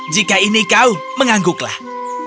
jika ini kau mengangguklah